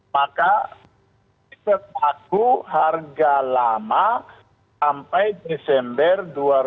maka tiket aku harga lama sampai desember dua ribu dua puluh dua